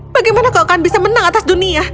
bagaimana kau akan bisa menang atas dunia